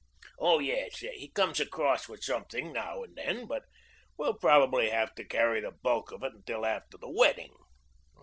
"Oh, yes; he comes across with something now and then, but we'll probably have to carry the bulk of it until after the wedding."